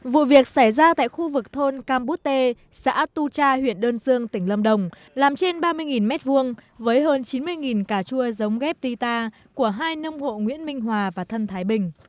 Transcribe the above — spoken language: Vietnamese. vụ việc xảy ra tại khu vực thôn campute xã tu cha huyện đơn dương tỉnh lâm đồng làm trên ba mươi m hai với hơn chín mươi cà chua giống ghép rita của hai nông hộ nguyễn minh hòa và thân thái bình